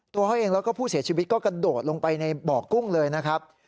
ตัวเขาเองแล้วก็ผู้เสียชีวิตก็กระโดดลงไปในบ่อกุ้งเลยนะครับ